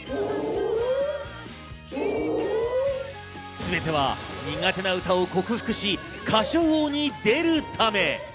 全ては苦手な歌を克服し『歌唱王』に出るため。